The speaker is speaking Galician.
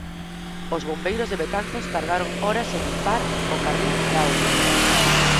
Os bombeiros de Betanzos tardaron horas en limpar o carril da autovía.